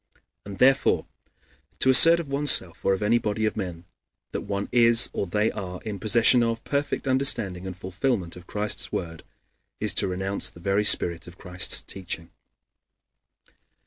And therefore, to assert of one's self or of any body of men, that one is or they are in possession of perfect understanding and fulfillment of Christ's word, is to renounce the very spirit of Christ's teaching.